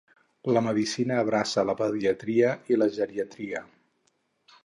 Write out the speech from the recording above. La medicina abraça la pediatria i la geriatria.